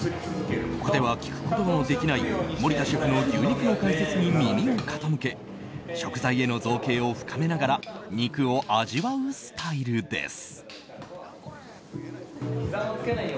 他では聞くことのできない森田シェフの牛肉の解説に耳を傾け食材への造詣を深めながら肉を味わうスタイルです。